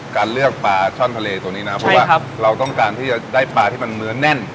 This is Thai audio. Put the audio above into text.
การเลือกปลาช่อนทะเลตัวนี้นะเพราะว่าเราต้องการที่จะได้ปลาที่มันเนื้อแน่น